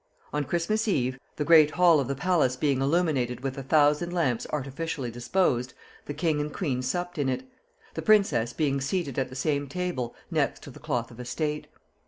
On Christmas eve, the great hall of the palace being illuminated with a thousand lamps artificially disposed, the king and queen supped in it; the princess being seated at the same table, next to the cloth of estate.